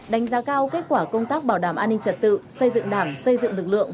đánh giá cao kết quả công tác bảo đảm an ninh trật tự xây dựng đảng xây dựng lực lượng